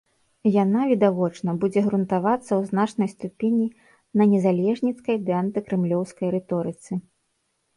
Яна, відавочна, будзе грунтавацца ў значнай ступені на незалежніцкай ды антыкрамлёўскай рыторыцы.